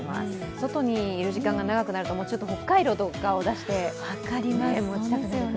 外にいる時間が長くなるとホッカイロとかを出して、持ちたくなりますね。